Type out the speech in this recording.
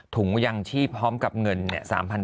ถุงยังชีพพร้อมกับเงินเนี่ย